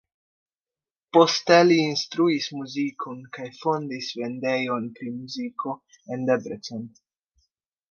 Poste li instruis muzikon kaj fondis vendejon pri muziko en Debrecen.